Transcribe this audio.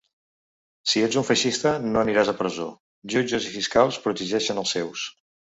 Si ets un feixista no aniràs a presó, jutges i fiscals protegeixen els seus.